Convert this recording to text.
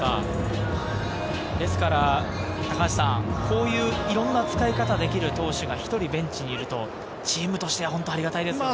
ですから、こういういろんな使い方ができる投手が一人ベンチにいると、チームとしてはありがたいですね。